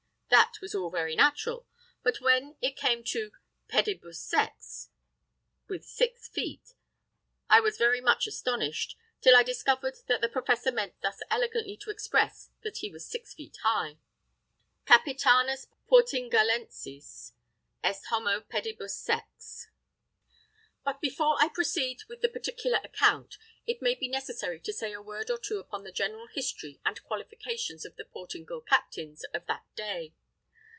That was all very natural; but when it came to pedibus sex, with six feet, I was very much astonished, till I discovered that the professor meant thus elegantly to express that he was six feet high. But before I proceed with the particular account, it may be necessary to say a word or two upon the general history and qualifications of the Portingal captains of that day.